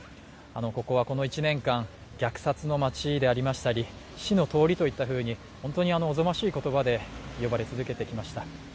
ここはこの１年間、虐殺の街でありましたり死の通りといったふうにおぞましい言葉で呼ばれ続けてきました。